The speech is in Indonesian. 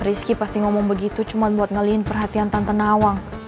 rizky pasti ngomong begitu cuma buat ngelihatin perhatian tante nawang